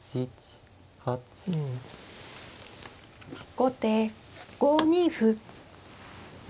後手５二歩。